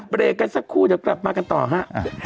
เบรกกันสักครู่เดี๋ยวกลับมากันต่อฮะ